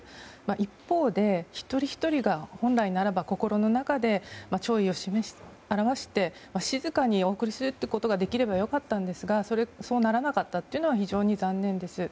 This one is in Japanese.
一方で、一人ひとりが本来ならば、心の中で弔意を表して静かにお送りすることができればよかったですがそうならなかったのは残念です。